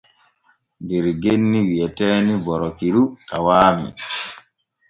Der genni wi'eteeni Borikiru tawaami.